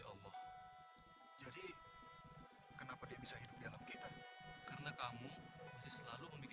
apa cowok kamu lagi sibuk